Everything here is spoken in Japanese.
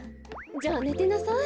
じゃあねてなさい。